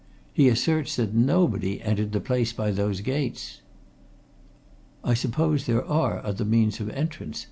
He asserts that nobody entered the place by those gates." "I suppose there are other means of entrance?"